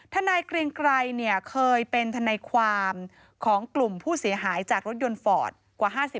นายเกรียงไกรเคยเป็นทนายความของกลุ่มผู้เสียหายจากรถยนต์ฟอร์ตกว่า๕๐